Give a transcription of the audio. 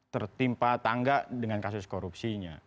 tertimpa tangga dengan kasus korupsinya